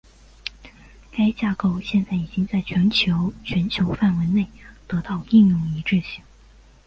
该架构现在已经在全球全球范围内得到应用一致性。